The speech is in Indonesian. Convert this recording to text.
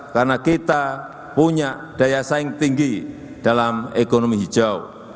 karena kita punya daya saing tinggi dalam ekonomi hijau